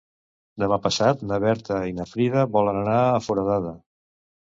Demà passat na Berta i na Frida volen anar a Foradada.